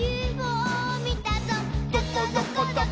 「どこどこどこ？